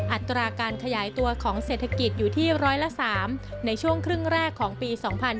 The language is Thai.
อัตราการขยายตัวของเศรษฐกิจอยู่ที่ร้อยละ๓ในช่วงครึ่งแรกของปี๒๕๕๙